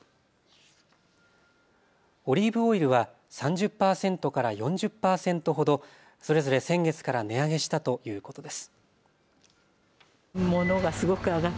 オリーブオイルは３０％から４０％ほどそれぞれ先月から値上げしたということです。